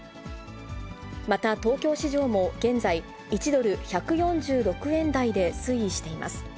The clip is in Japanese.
また東京市場も現在、１ドル１４６円台で推移しています。